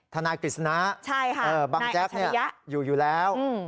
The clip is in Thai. ท่านายกฤษณะใช่ค่ะเออบางแจ๊บเนี่ยนายอัชยะอยู่อยู่แล้วอืม